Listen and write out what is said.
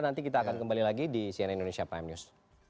nanti kita akan kembali lagi di cnn indonesia prime news